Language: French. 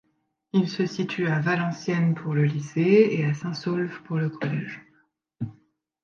Il se situe à Valenciennes pour le lycée et à Saint-Saulve pour le collège.